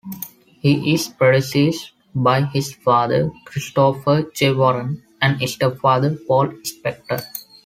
He is predeceased by his father, Christopher J. Warren and step father, Paul Spector.